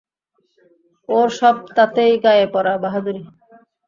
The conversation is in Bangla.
ওর সব তাতেই গায়ে পড়া বাহাদুরি।